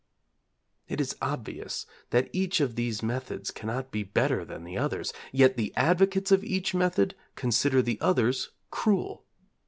It is obvious that each of these methods cannot be better than the others, yet the advocates of each method consider the others cruel.